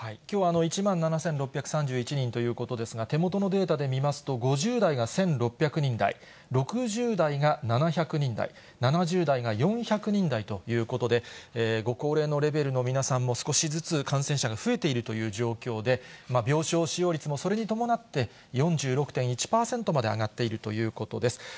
きょう１万７６３１人ということですが、手元のデータで見ますと、５０代が１６００人台、６０代が７００人台、７０代が４００人台ということで、ご高齢のレベルの皆さんも、少しずつ感染者が増えているという状況で、病床使用率もそれに伴って、４６．１％まで上がっているということです。